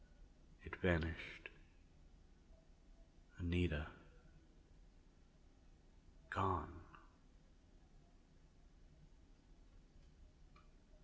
It vanished. Anita gone.